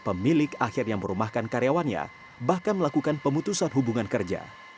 pemilik akhirnya merumahkan karyawannya bahkan melakukan pemutusan hubungan kerja